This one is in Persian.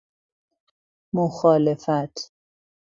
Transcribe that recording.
مخالفت